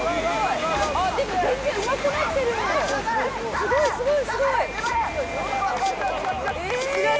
すごい、すごい。